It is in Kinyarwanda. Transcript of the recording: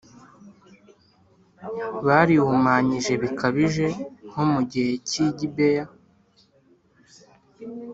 Barihumanyije bikabije, nko mu gihe cy’i Gibeya,